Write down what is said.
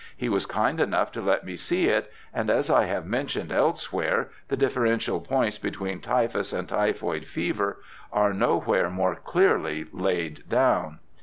He was kind enough to let me see it, and, as I have mentioned elsewhere, the differential points between typhus and typhoid fever are nowhere more clearly laid down.